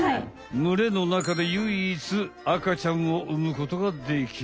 群れの中でゆいいつあかちゃんをうむことができる。